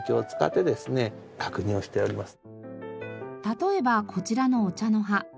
例えばこちらのお茶の葉。